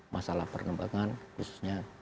masalah penerbangan khususnya